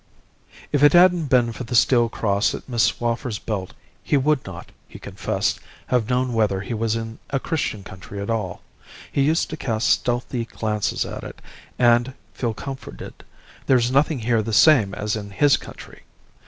"If it hadn't been for the steel cross at Miss Swaffer's belt he would not, he confessed, have known whether he was in a Christian country at all. He used to cast stealthy glances at it, and feel comforted. There was nothing here the same as in his country!